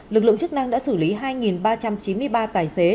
lực lượng chức năng đã xử lý hai ba trăm chín mươi ba tài xế